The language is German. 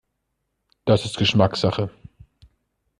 Das ist Geschmackssache.